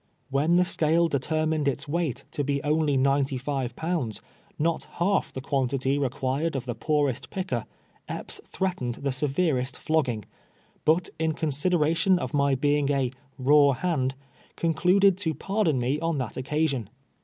AVhen the scale determined its weight to be only ninety live pounds, not half the quantit}^ required of the poorest picker, Epps threatened the severest flogging, but in consideration of my being a " raw hand," concluded to pardon me on that occasion.